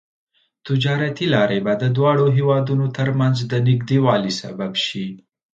تجارتي لارې به د دواړو هېوادونو ترمنځ د نږدیوالي سبب شي.